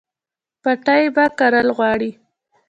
پټی به کرل غواړي